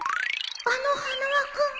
あの花輪君が